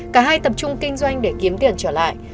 cả hai tập trung kinh doanh để kiếm tiền trở lại